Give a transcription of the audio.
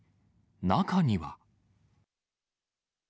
中には。